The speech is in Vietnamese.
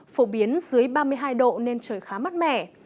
phổ biến dưới ba mươi hai độ nên trời khá mát mẻ